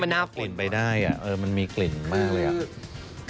ถ้ามีกลิ่นไปได้อะมันมีกลิ่นมากเลยอะตอนนี้มันน่าฝน